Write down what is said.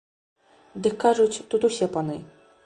Дык кажуць, тут усе паны.